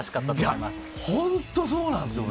本当そうなんですよ。